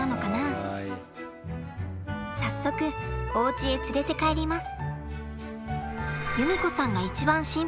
早速お家へ連れて帰ります。